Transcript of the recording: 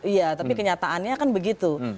iya tapi kenyataannya kan begitu